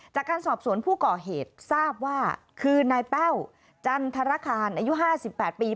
จากการสอบสวนผู้ก่อเหตุทราบว่าคือนายแป้วจันทรคารอายุ๕๘ปี